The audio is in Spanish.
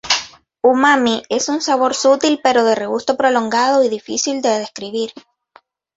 Umami es un sabor sutil pero de regusto prolongado y difícil de describir.